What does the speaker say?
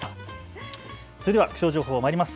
それでは気象情報まいります。